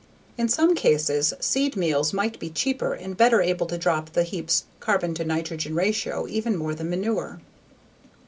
In some cases, seed meals might be cheaper and better able to drop the heap's carbon to nitrogen ratio even more than manure.